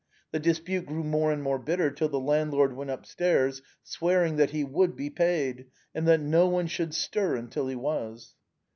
The dispute grew more and more bitter, till the landlord went upstairs, swearing that he would be paid, and that no one should stir till he was.